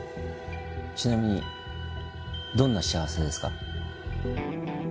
ちなみにどんな幸せですか？